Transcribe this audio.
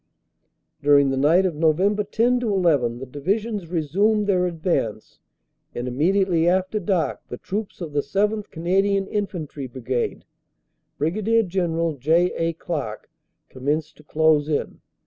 "During the night of Nov. 10 11 the Divisions resumed their advance, and immediately after dark the troops of the 7th. Canadian Infantry Brigade (Brig. General J. A. Clark) commenced to close in.